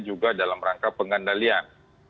juga dalam rangka pengandalian